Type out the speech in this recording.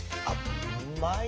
うまいな。